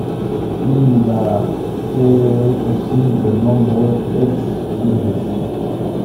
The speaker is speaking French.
Il a créé aussi de nombreux ex-libris.